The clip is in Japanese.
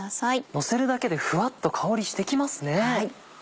乗せるだけでフワッと香りしてきますね。